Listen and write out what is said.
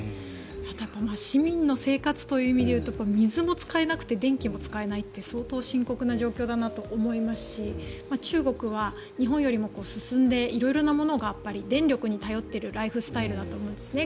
あと、やっぱり市民の生活ということで言うと水も使えなくて電気も使えないって相当深刻な状況だなと思いますし中国は日本よりも進んで色々なものが電力に頼っているライフスタイルだと思うんですね。